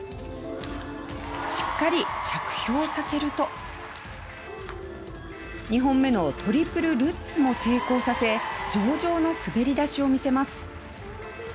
しっかり着氷させると２本目のトリプルルッツも成功させ上々の滑り出しを見せます。